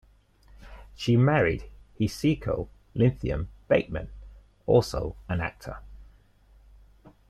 She married Hezekiah Linthicum Bateman, also an actor.